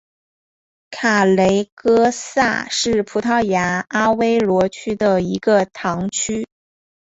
卡雷戈萨是葡萄牙阿威罗区的一个堂区。